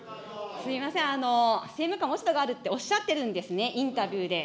すみません、政務官、落ち度があるっておっしゃってるんですね、インタビューで。